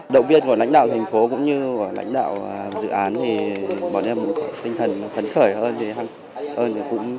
động viên của lãnh đạo thành phố cũng như của lãnh đạo dự án thì bọn em tinh thần phấn khởi hơn